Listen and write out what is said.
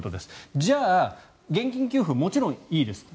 じゃあ、現金給付もちろんいいです。